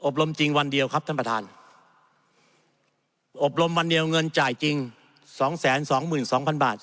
รมจริงวันเดียวครับท่านประธานอบรมวันเดียวเงินจ่ายจริง๒๒๒๐๐๐บาท